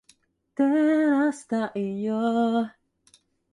After this change, the band continued to record.